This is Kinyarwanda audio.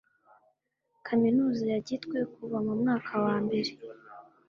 kaminuza ya gitwe kuva mu mwaka wa mbere